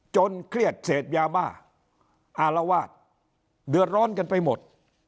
เครียดเสพยาบ้าอารวาสเดือดร้อนกันไปหมด